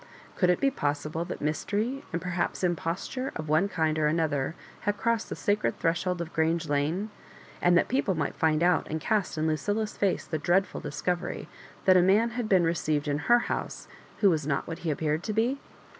Could it be possible that mystery, and perhaps imposture, of one kind or another, had crossed the sacred threshold of Grange Lane ; and that people might find out and cast in Lucilla's face the dreadful discovery that a man had been received in her house who was not what he appeared to be?